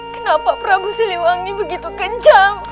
kenapa prabu siliwangi begitu kencang